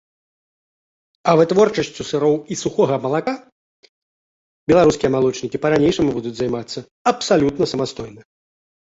А вытворчасцю сыроў і сухога малака беларускія малочнікі па-ранейшаму будуць займацца абсалютна самастойна.